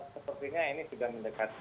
sepertinya ini sudah mendekati